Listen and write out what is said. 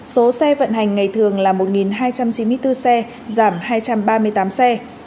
số xe vận hành ngày thường là một hai trăm chín mươi bốn xe giảm hai trăm ba mươi tám xe